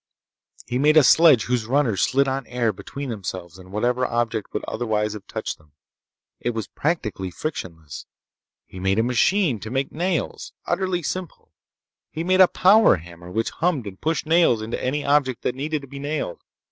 He made a sledge whose runners slid on air between themselves and whatever object would otherwise have touched them. It was practically frictionless. He made a machine to make nails—utterly simple. He made a power hammer which hummed and pushed nails into any object that needed to be nailed.